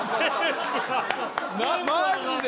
マジで？